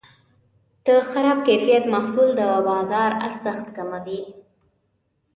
د خراب کیفیت محصول د بازار ارزښت کموي.